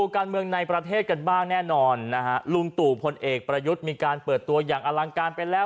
การเมืองในประเทศกันบ้างแน่นอนนะฮะลุงตู่พลเอกประยุทธ์มีการเปิดตัวอย่างอลังการไปแล้ว